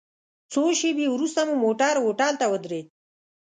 څو شېبې وروسته مو موټر هوټل ته ودرید.